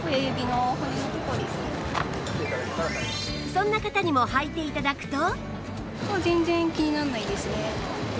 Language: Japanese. そんな方にも履いて頂くと